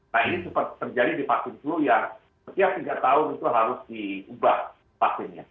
nah ini seperti terjadi di vaksin flu yang setiap tiga tahun itu harus diubah vaksinnya